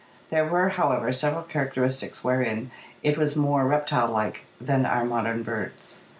There were, however, several characteristics wherein it was more reptile like than are modern birds.